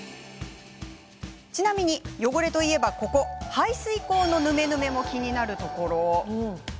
ちなみに、汚れといえばここ排水口のヌメヌメも気になるところ。